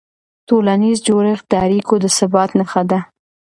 ټولنیز جوړښت د اړیکو د ثبات نښه ده.